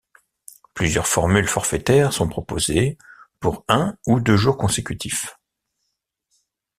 Plusieurs formules forfaitaires sont proposées, pour un ou deux jours consécutifs.